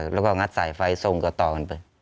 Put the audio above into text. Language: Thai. แล้วก็งัดสายไฟทรงก็ต่อกันไป